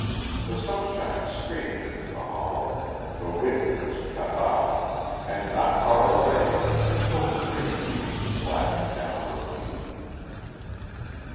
The sunshine streamed into the hollow, the wind was cut off, and not far away a crystal stream came splashing down a ravine.